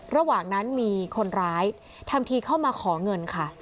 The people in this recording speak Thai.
ระหว่างนั้นมีคนร้ายทำทีเข้ามาขอเงินค่ะ